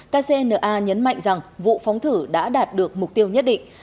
kcna nhấn mạnh rằng vụ phóng thử đã đạt được mục tiêu nhất định